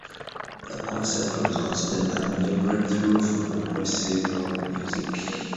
The concert was considered a major breakthrough for progressive rock music.